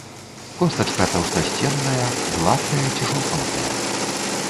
Костачка таўстасценная, гладкая ці шурпатая.